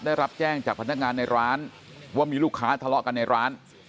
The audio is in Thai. ได้รับแจ้งจากพนักงานในร้านว่ามีลูกค้าทะเลาะกันในร้าน